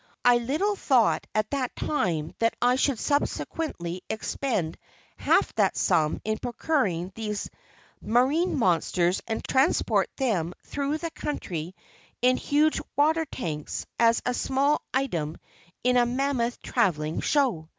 I little thought at that time that I should subsequently expend half that sum in procuring these marine monsters and transport them through the country in huge water tanks as a small item in a mammoth travelling show.